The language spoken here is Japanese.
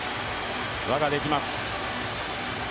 輪ができます。